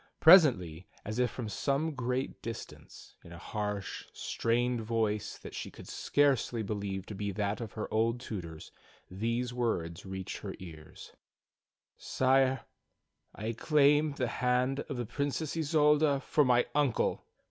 Presently, as if from some great distance, in a harsh, strained voice that she could scarcely believe to be that of her old tutor's, these words reached her ears: "Sire, I claim the hand of the Princess Isolda for my uncle.